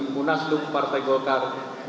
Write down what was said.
munasduk partai golkar dua ribu tujuh belas